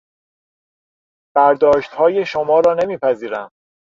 برداشتهای شما را نمیپذیرم.